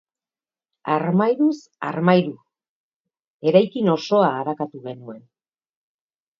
Armairuz armairu eraikin osoa arakatu genuen.